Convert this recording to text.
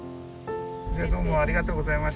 じゃあどうもありがとうございました。